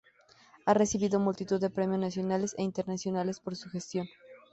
Ha recibido multitud de premios nacionales e internacionales por su gestión.